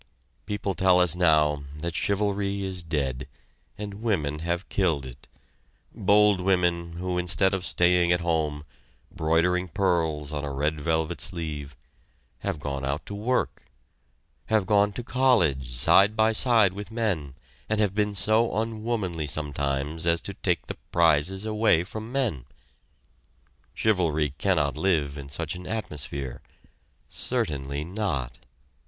People tell us now that chivalry is dead, and women have killed it, bold women who instead of staying at home, broidering pearls on a red velvet sleeve, have gone out to work have gone to college side by side with men and have been so unwomanly sometimes as to take the prizes away from men. Chivalry cannot live in such an atmosphere. Certainly not!